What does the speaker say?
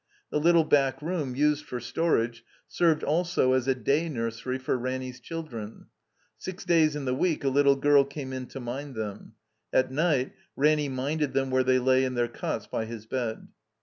The little back room, used for storage, served also as a day nursery for Ranny's children. Six days in the week a little girl came in to mind them. At night Ranny minded them where they lay in their cots by his bed.